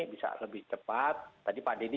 bisa lebih cepat tadi pak denny